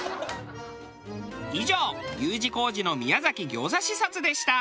以上Ｕ字工事の宮崎餃子視察でした。